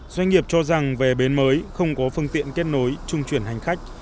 doanh nghiệp cho rằng về bến mới không có phương tiện kết nối trung chuyển hành khách